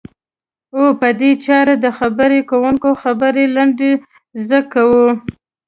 او په دې چارې د خبرې کوونکي خبرې لنډی ز کوو.